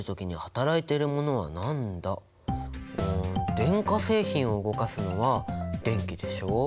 電化製品を動かすのは電気でしょ。